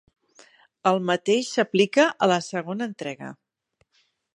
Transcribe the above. El mateix s'aplica a la segona entrega.